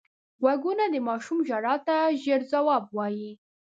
غوږونه د ماشوم ژړا ته ژر ځواب وايي